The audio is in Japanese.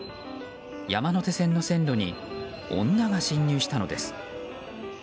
山手線の線路に女が侵入したのです。